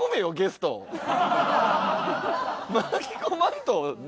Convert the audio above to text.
巻き込まんと。